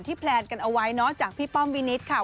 ที่แพลนกันเอาไว้จากพี่ป้อมวินิตค่ะ